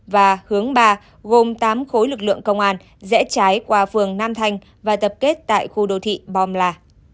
và hướng ba gồm tám khối lực lượng công an rẽ trái qua phường nam thanh và tập kết tại khu đô thị bom là